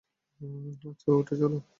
আচ্ছা, ওঠো, চলো।